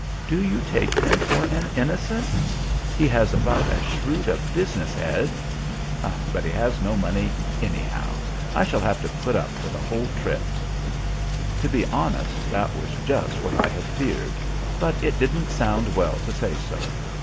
"Do you take him for an innocent? He has about as shrewd a business head but he has no money, anyhow. I shall have to put up for the whole trip." To be honest, that was just what I had feared; but it didn't sound well to say so.